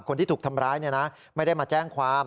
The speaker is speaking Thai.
คนที่ถูกทำร้ายไม่ได้มาแจ้งความ